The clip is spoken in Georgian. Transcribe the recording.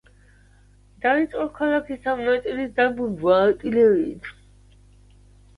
დაიწყო ქალაქის ამ ნაწილის დაბომბვა არტილერიით.